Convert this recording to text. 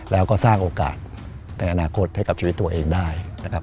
แล้วก็สร้างโอกาสในอนาคตให้กับชีวิตตัวเองได้นะครับ